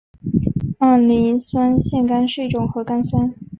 二磷酸腺苷是一种核苷酸。